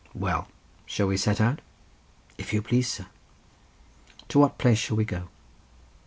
"Well, shall we set out?" "If you please, sir." "To what place shall we go?"